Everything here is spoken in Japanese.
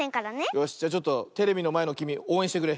よしじゃちょっとテレビのまえのきみおうえんしてくれ。